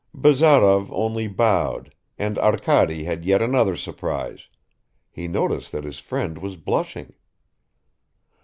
Bazarov only bowed and Arkady had yet another surprise; he noticed that his friend was blushing.